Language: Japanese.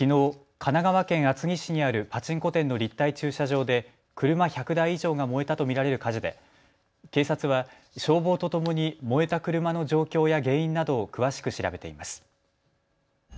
神奈川県厚木市にあるパチンコ店の立体駐車場で車１００台以上が燃えたと見られる火事で警察は消防とともに燃えた車の状況や原因などを詳しく調べています。